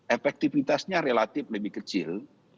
efektivitasnya relatif lebih kecil